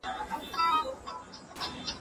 د ښځو حقوق د پرمختګ په برخه کې زیات اهمیت لري.